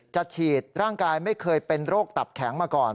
จะฉีดร่างกายไม่เคยเป็นโรคตับแข็งมาก่อน